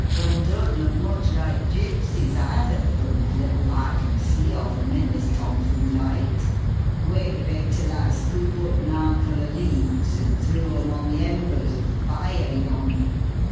"Un doan't look much loike gypsies either from t' little as Ah can see of 'em in this tomfool loight. Wait a bit till Ah scoop up an armful o' leaves and throw 'em on the embers o' fire yon."